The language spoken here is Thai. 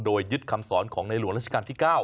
โดยยึดคำสอนของในหลวงราชการที่๙